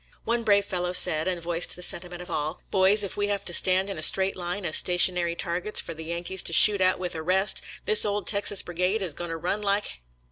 One brave fellow said, and voiced the sentiment of all, " Boys, if we have to stand in a straight line as stationary targets for the Yan kees to shoot at with a rest, this old Texas Bri gade is going to run like h — ^U